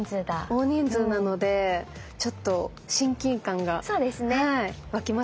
大人数なのでちょっと親近感が湧きますね。